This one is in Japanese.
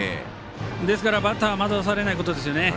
ですから、バッターは惑わされないことですね。